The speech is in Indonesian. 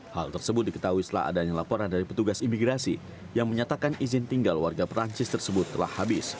hal tersebut diketahui setelah adanya laporan dari petugas imigrasi yang menyatakan izin tinggal warga perancis tersebut telah habis